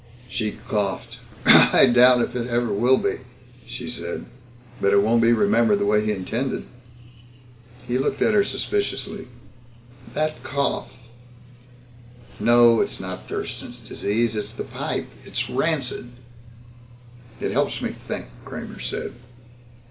She coughed. "I doubt if it ever will be," she said, "but it won't be remembered the way he intended." He looked at her suspiciously. "That cough " "No, it's not Thurston's Disease. It's that pipe. It's rancid." "It helps me think," Kramer said.